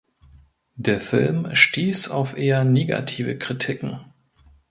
Der Film stieß auf eher negative Kritiken.